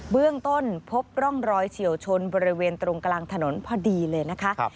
เบื้องต้นพบร่องรอยเฉียวชนบริเวณตรงกลางถนนพอดีเลยนะคะ